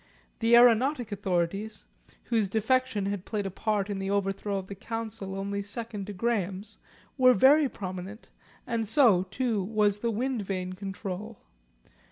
The aeronautic authorities, whose defection had played a part in the overthrow of the Council only second to Graham's, were very prominent, and so, too, was the Wind Vane Control.